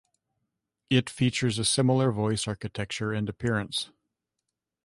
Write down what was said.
It features a similar voice architecture and appearance.